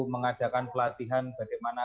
mengadakan pelatihan bagaimana